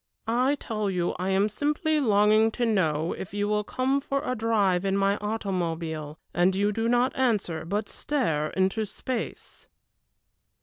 "I tell you I am simply longing to know if you will come for a drive in my automobile, and you do not answer, but stare into space."